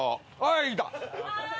いた。